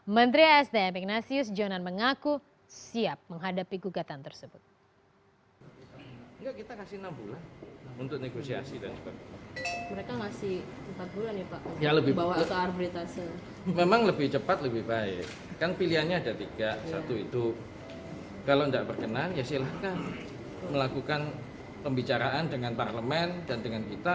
menteri asdm ignatius jonan mengaku siap menghadapi gugatan tersebut